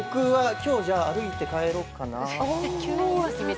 今日歩いて帰ろうかな？